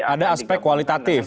ada aspek kualitatif